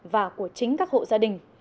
và của chính các hộ gia đình